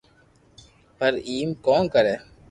پر ايم ڪو ڪري